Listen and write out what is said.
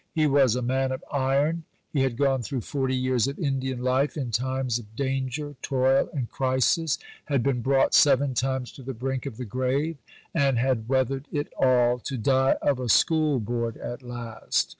He was a man of iron; he had gone thro' 40 years of Indian life, in times of danger, toil, and crisis; had been brought seven times to the brink of the grave; and had weathered it all to die of a School Board at last!